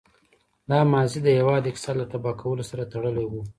دا ماضي د هېواد اقتصاد له تباه کولو سره تړلې وه.